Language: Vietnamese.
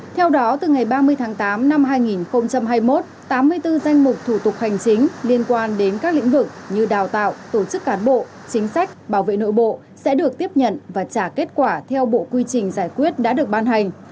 theo đó từ ngày ba mươi tháng tám năm hai nghìn hai mươi một tám mươi bốn danh mục thủ tục hành chính liên quan đến các lĩnh vực như đào tạo tổ chức cán bộ chính sách bảo vệ nội bộ sẽ được tiếp nhận và trả kết quả theo bộ quy trình giải quyết đã được ban hành